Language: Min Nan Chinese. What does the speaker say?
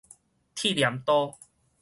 鐵鐮刀